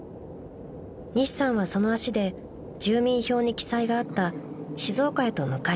［西さんはその足で住民票に記載があった静岡へと向かいました］